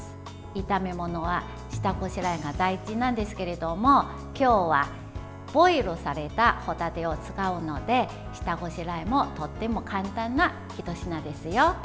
炒め物は下ごしらえが大事なんですけども今日はボイルされた帆立てを使うので下ごしらえもとっても簡単なひと品ですよ。